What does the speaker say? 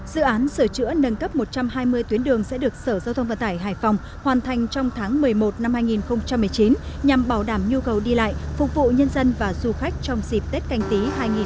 dự án sửa chữa nâng cấp một trăm hai mươi tuyến đường sẽ được sở giao thông vận tải hải phòng hoàn thành trong tháng một mươi một năm hai nghìn một mươi chín nhằm bảo đảm nhu cầu đi lại phục vụ nhân dân và du khách trong dịp tết canh tí hai nghìn hai mươi